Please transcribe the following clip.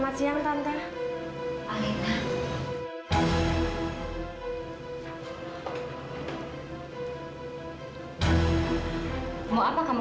tidak adalah dalam pengalaman